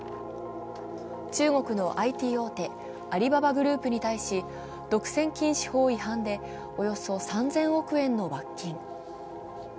中国のＩＴ大手、アリババグループに対し独占禁止法違反でおよそ３０００億円の罰金。